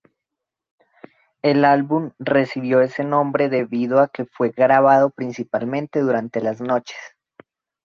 El álbum recibió ese nombre debido a que fue grabado principalmente durante las noches.